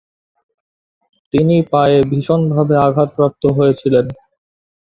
তিনি পায়ে ভীষণভাবে আঘাতপ্রাপ্ত হয়েছিলেন।